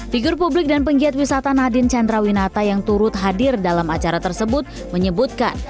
figur publik dan penggiat wisata nadine chandrawinata yang turut hadir dalam acara tersebut menyebutkan